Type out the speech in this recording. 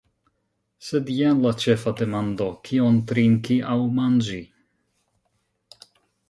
Sed jen la ĉefa demando: kion trinki aŭ manĝi.